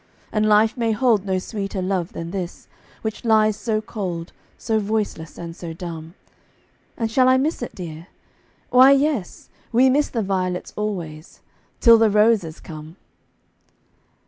And life may hold no sweeter love than this, Which lies so cold, so voiceless, and so dumb. And shall I miss it, dear? Why, yes, we miss The violets always till the roses come!